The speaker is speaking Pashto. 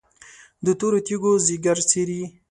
د تورو تیږو ځیګر څیري،